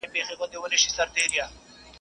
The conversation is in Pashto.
!د عدالت په انتظار.